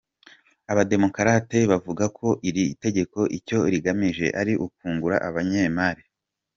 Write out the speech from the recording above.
Abademukarate bavuga ko iri tegeko icyo rigamije ari ukungura abanyemari.